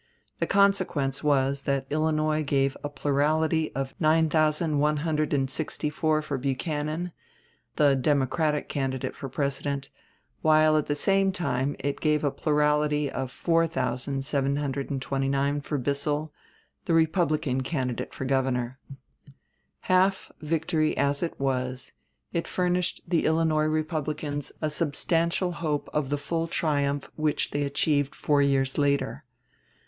The consequence was that Illinois gave a plurality of 9164 for Buchanan, the Democratic candidate for President, while at the same time it gave a plurality of 4729 for Bissell, the Republican candidate for Governor. Half victory as it was, it furnished the Illinois Republicans a substantial hope of the full triumph which they achieved four years later.